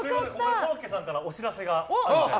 コロッケさんからお知らせがあります。